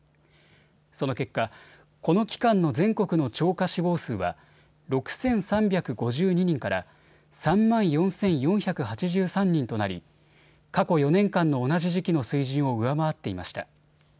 その結果この期間の全国の超過死亡数は６３５２人から３万４４８３人となり過去４年間の同じ時期の水準を上回っていました。